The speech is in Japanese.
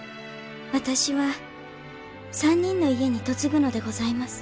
私は３人の家に嫁ぐのでございます。